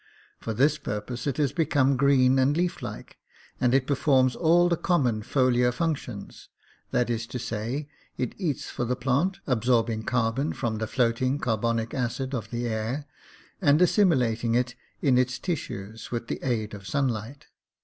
For this purpose it has become green and leaf like, and it performs all the common foliar functions — that is to say, it eats for the plant, absorbing carbon from the floating carbonic acid of the air, and assimilating it in its tissues with the aid of sunlight.